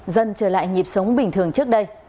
dân trở lại nhịp sống bình thường trước đây